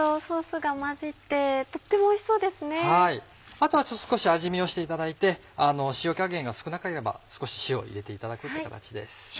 あとは少し味見をしていただいて塩加減が少なければ少し塩を入れていただくって形です。